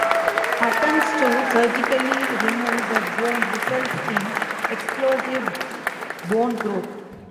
Attempts to surgically remove the bone result in explosive bone growth.